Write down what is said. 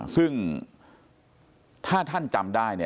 ซึ่งถ้าท่านจำได้